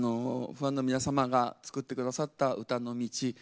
ファンの皆様が作ってくださった歌の道